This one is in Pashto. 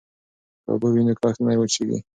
که اوبه وي نو کښت نه وچيږي.